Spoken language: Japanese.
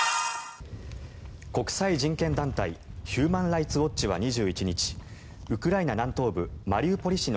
国際人権団体ヒューマン・ライツ・ウォッチは２１日ウクライナ南東部マリウポリ